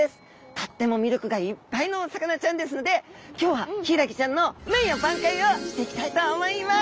とっても魅力がいっぱいのお魚ちゃんですので今日はヒイラギちゃんの名誉挽回をしていきたいと思います！